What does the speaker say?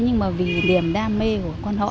nhưng mà vì điểm đam mê của con họ